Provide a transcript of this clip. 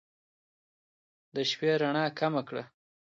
د شپې رڼا کمه کړه